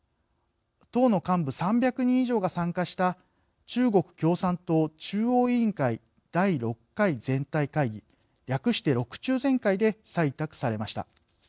党の幹部３００人以上が参加した中国共産党中央委員会第６回全体会議略して６中全会で採択されました。